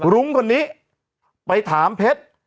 รุ้งคนนี้ไปถามเพชร